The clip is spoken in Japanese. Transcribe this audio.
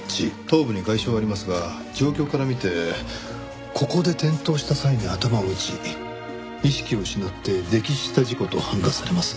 頭部に外傷はありますが状況から見てここで転倒した際に頭を打ち意識を失って溺死した事故と判断されます。